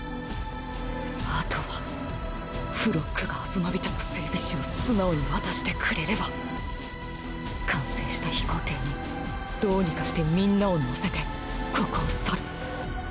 あとはフロックがアズマビトの整備士を素直に渡してくれれば完成した飛行艇にどうにかしてみんなを乗せてここを去る。